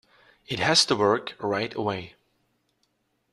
It has to work right away.